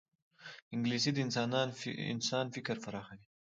انګلیسي د انسان فکر پراخوي